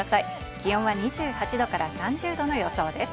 気温は２８度から３０度の予想です。